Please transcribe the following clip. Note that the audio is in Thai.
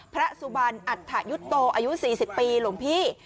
พระสุบันอัฐยุทธโตอายุ๔๐ปีหลวงพี่